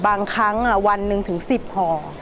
บางครั้งวันหนึ่งถึง๑๐ห่อ